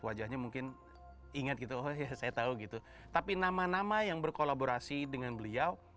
wajahnya mungkin ingat gitu saya tahu gitu tapi nama nama yang berkolaborasi dengan beliau